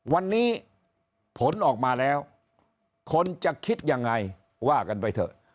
วันนี้ผลออกมาแล้วคนจะคิดยังไงว่ากันไปเถอะ